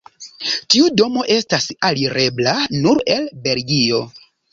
Tiu domo estas alirebla nur el Belgio.